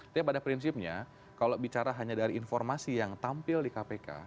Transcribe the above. tapi pada prinsipnya kalau bicara hanya dari informasi yang tampil di kpk